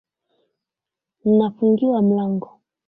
Nnafungiwa mlango